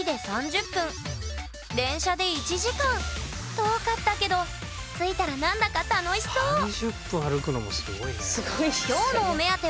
遠かったけど着いたら何だか楽しそう３０分歩くのもすごいね。